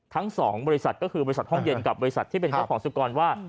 ทั้ง๒บริษัทก็คือบริษัทห้องเย็นกับบริษัทที่เป็นเจ้าของสุกรว่า